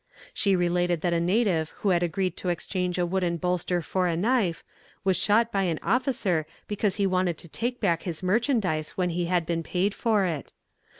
She related that a native who had agreed to exchange a wooden bolster for a knife, was shot by an officer because he wanted to take back his merchandise when he had been paid for it.